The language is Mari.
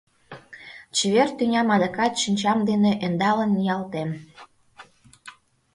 Чевер тӱням адакат шинчам дене ӧндалын ниялтем!